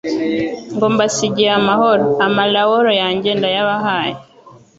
ngo: «Mbasigiye amahoro, amalaoro yanjye ndayabahaye :